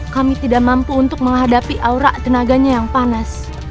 kami tidak mampu untuk menghadapi aura tenaganya yang panas